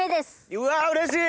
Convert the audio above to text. うわうれしい！